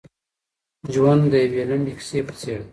ژوند د یوې لنډې کیسې په څېر دی.